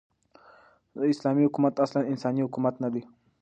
ز : اسلامې حكومت اصلاً انساني حكومت نه دى